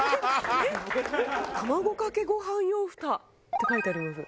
「卵かけご飯用蓋」って書いてあります。